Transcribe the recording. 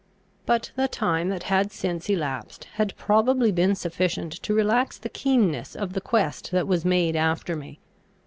But the time that had since elapsed, had probably been sufficient to relax the keenness of the quest that was made after me.